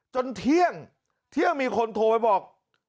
จนเที่ยงเที่ยงมีคนโทรไปบอก